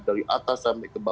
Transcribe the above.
dari atas sampai ke bawah